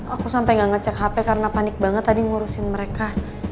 aku sampai gak ngecek hp karena panik banget tadi ngurusin mereka